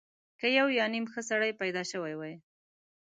که یو یا نیم ښه سړی پیدا شوی وي.